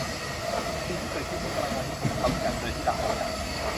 สิ่งที่เกิดขึ้นเมื่อกลางวันนี้ถูกกำจัดโดยที่รักของฉัน